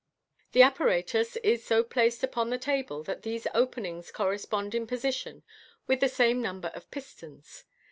The apparatus is so placed upon the table that these openings correspond in position with the same number of pistons.